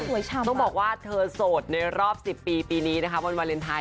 ต้องบอกว่าเธอโสดในรอบ๑๐ปีปีนี้นะคะวันวาเลนไทย